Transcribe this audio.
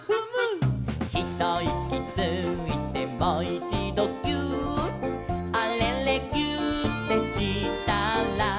「ひといきついてもいちどぎゅーっ」「あれれぎゅーってしたら」